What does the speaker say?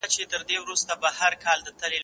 زه ليکنه کړې ده!!